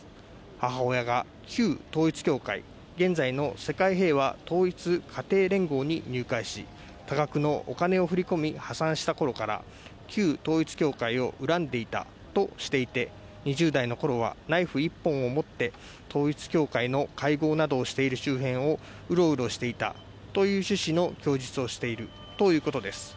母親が旧統一教会現在の世界平和統一家庭連合に入会し多額のお金を振り込み破産したことから旧統一教会を恨んでいたとしていて２０代の頃はナイフ１本を持って統一教会の会合などをしている周辺をうろうろしていたという趣旨の供述をしているということです